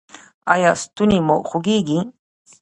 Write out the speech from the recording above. ایا ستونی مو خوږیږي؟